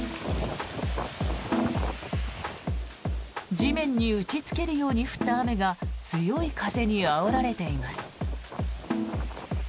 地面に打ちつけるように降った雨が強い風にあおられています。